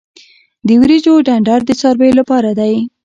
د وریجو ډنډر د څارویو لپاره دی.